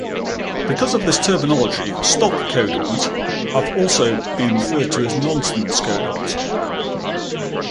Because of this terminology, stop codons have also been referred to as nonsense codons.